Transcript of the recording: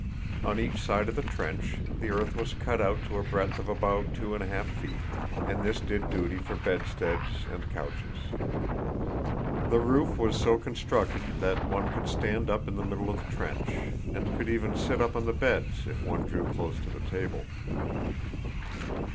On each side of the trench, the earth was cut out to a breadth of about two and a half feet, and this did duty for bedsteads and couches. The roof was so constructed that one could stand up in the middle of the trench and could even sit up on the beds if one drew close to the table.